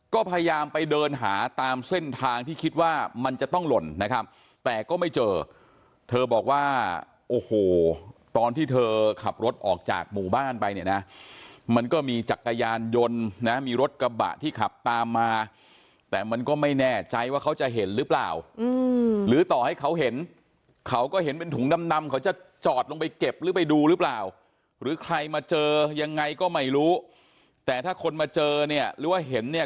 ก็พยายามไปเดินหาตามเส้นทางที่คิดว่ามันจะต้องหล่นนะครับแต่ก็ไม่เจอเธอบอกว่าโอ้โหตอนที่เธอขับรถออกจากหมู่บ้านไปเนี่ยนะมันก็มีจักรยานยนต์นะมีรถกระบะที่ขับตามมาแต่มันก็ไม่แน่ใจว่าเขาจะเห็นหรือเปล่าหรือต่อให้เขาเห็นเขาก็เห็นเป็นถุงดำเขาจะจอดลงไปเก็บหรือไปดูหรือเปล่าหรือใครมาเจอยังไงก็ไม่รู้แต่ถ้าคนมาเจอเนี่ยหรือว่าเห็นเนี่ย